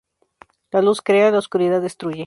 La Luz crea, la Oscuridad destruye.